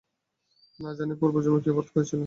না জানি পূর্বজন্মে কী অপরাধ করিয়াছিলাম।